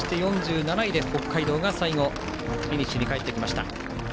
４６位で石川４７位で北海道がフィニッシュに帰ってきました。